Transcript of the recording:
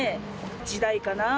『時代』かな。